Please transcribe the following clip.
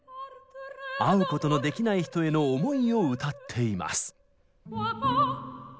会うことのできない人への思いを歌っています。